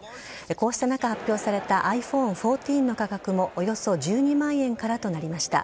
こうした中発表されたｉＰｈｏｎｅ１４の価格もおよそ１２万円からとなりました。